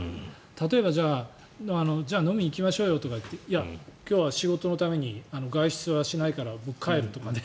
例えば、じゃあ飲みに行きましょうよとかって言っていや、今日は仕事のために外出はしないから僕、帰るとかね。